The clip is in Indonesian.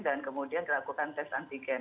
dan kemudian dilakukan tes antigen